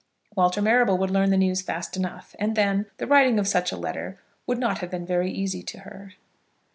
Walter Marrable would learn the news fast enough. And then, the writing of such a letter would not have been very easy to her.